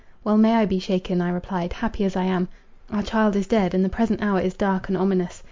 "Well may I be shaken," I replied, "happy as I am. Our child is dead, and the present hour is dark and ominous.